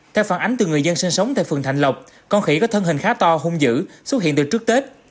theo phản ánh từ người dân sinh sống tại phường thạnh lộc con khỉ có thân hình khá to hung dữ xuất hiện từ trước tết